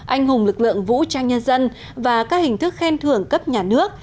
anh hùng lực lượng vũ trang nhân dân và các hình thức khen thưởng cấp nhà nước